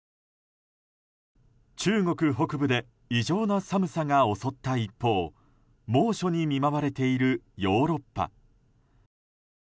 中国北部で異常な寒さが襲った一方猛暑に見舞われているヨーロッパ。